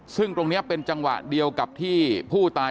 ซึ่งตรงนี้เป็นจังหวะเดียวกับที่ผู้ตาย